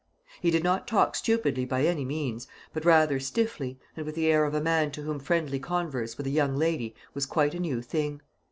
He did not talk stupidly by any means, but rather stiffly, and with the air of a man to whom friendly converse with a young lady was quite a new thing.